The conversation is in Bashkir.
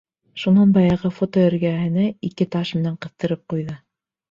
Шунан баяғы фото эргәһенә ике таш менән ҡыҫтырып ҡуйҙы.